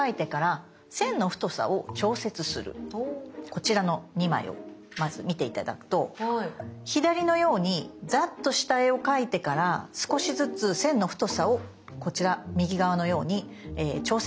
こちらの２枚をまず見て頂くと左のようにザッと下絵を描いてから少しずつ線の太さをこちら右側のように調節することが大事です。